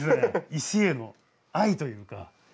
石への愛というか。